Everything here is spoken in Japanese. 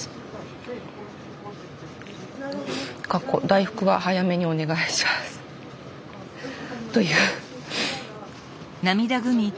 かっこ大福は早めにお願いします」という。